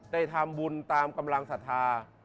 ได้ทำบุญตามกำลังศรัทธา